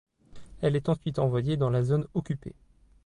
Elle est ensuite envoyée dans la zone occupée.